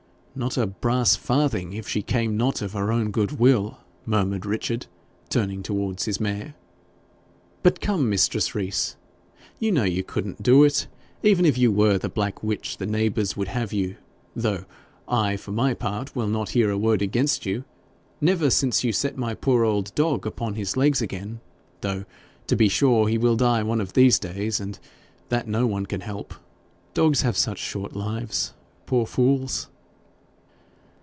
'Not a brass farthing, if she came not of her own good will,' murmured Richard, turning towards his mare. 'But come, mistress Rees, you know you couldn't do it, even if you were the black witch the neighbours would have you though I, for my part, will not hear a word against you never since you set my poor old dog upon his legs again though to be sure he will die one of these days, and that no one can help dogs have such short lives, poor fools!'